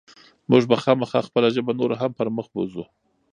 موږ به خامخا خپله ژبه نوره هم پرمخ بوځو.